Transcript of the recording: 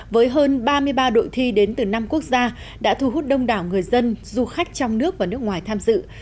với hơn ba mươi ba đội thi đến từ năm quốc gia đã thu hút đông đảo người dân du khách trong nước và nước ngoài tham dự